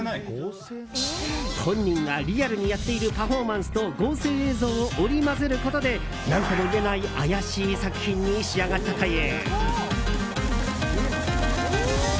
本人がリアルにやっているパフォーマンスと合成映像を織り交ぜることで何ともいえない妖しい作品に仕上がったという。